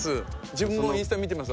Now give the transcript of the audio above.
自分もインスタ見てます！